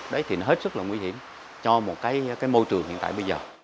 đấy thì nó hết sức là nguy hiểm cho một cái môi trường hiện tại bây giờ